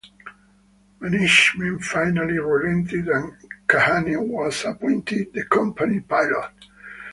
Management finally relented, and Kahane was appointed the company pilot.